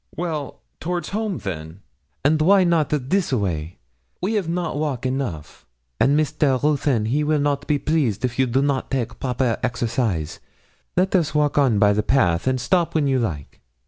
'Well, towards home, then.' 'And wy not a this way? We ave not walk enough, and Mr. Ruthyn he will not be pleased if you do not take proper exercise. Let us walk on by the path, and stop when you like.'